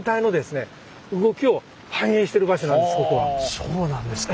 そうなんですか。